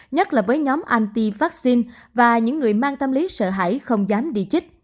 nhất là với nhóm anti vaccine và những người mang tâm lý sợ hãi không dám đi chích